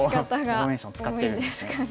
フォーメーション使ってるんですね。